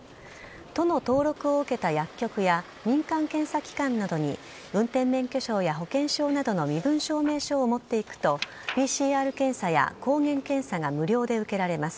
都の登録を受けた薬局や民間検査機関などに運転免許証や保険証などの身分証明書を持っていくとＰＣＲ検査や抗原検査が無料で受けられます。